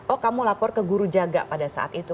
oh kamu lapor ke guru jaga pada saat itu